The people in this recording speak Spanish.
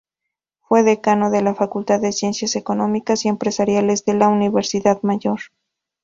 Fue decano de la Facultad de Ciencias Económicas y Empresariales de la Universidad Mayor.